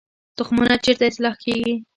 تخمونه چیرته اصلاح کیږي؟